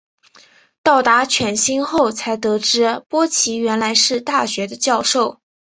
到达犬星后才得知波奇原来是大学的教授。